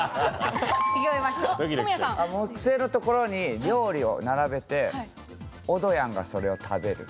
ピンポン木製の所に料理を並べておどやんがそれを食べる。